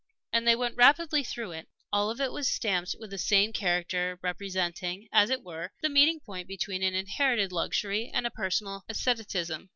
And they went rapidly through it. All of it was stamped with the same character, representing, as it were, the meeting point between an inherited luxury and a personal asceticism.